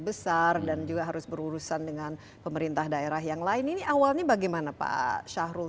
besar dan juga harus berurusan dengan pemerintah daerah yang lain ini awalnya bagaimana pak syahrul